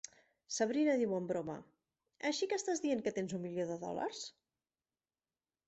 Sabrina diu en broma "Així que estàs dient que tens un milió de dòlars?"